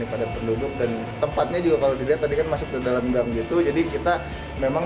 pada penduduk dan tempatnya juga kalau dilihat tadi kan masuk ke dalam gang gitu jadi kita memang